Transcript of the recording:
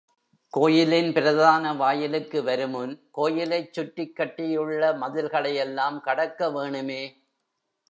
கோயிலின் பிரதான வாயிலுக்கு வருமுன் கோயிலைச் சுற்றிக் கட்டியுள்ள மதில்களையெல்லாம் கடக்கவேணுமே.